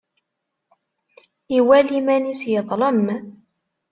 Iwala iman-is yeḍlem.